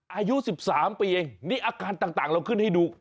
อายุ๑๓ปีเองนี่อาการต่างเราขึ้นให้ดู